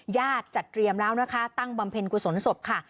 จัดเตรียมแล้วนะคะตั้งบำเพ็ญกุศลศพค่ะ